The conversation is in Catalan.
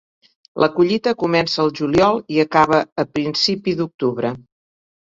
La collita comença el juliol i acaba a principi d'octubre.